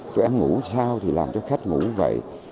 tụi em ngủ sao thì làm cho khách ngủ vậy